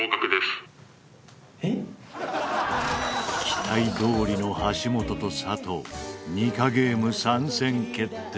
期待どおりの橋本と佐藤ニカゲーム参戦決定。